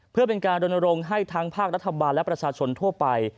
เพื่อเป็นการรณรงค์ให้ทั้งภาครัฐบาลและประชาชนทั่วไป